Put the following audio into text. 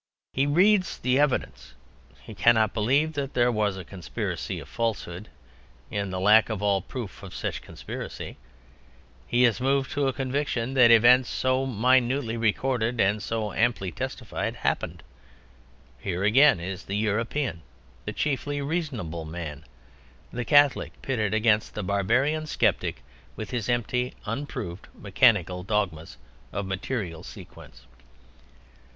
He reads the evidence. He cannot believe that there was a conspiracy of falsehood (in the lack of all proof of such conspiracy). He is moved to a conviction that events so minutely recorded and so amply testified, happened. Here again is the European, the chiefly reasonable man, the Catholic, pitted against the barbarian skeptic with his empty, unproved, mechanical dogmas of material sequence.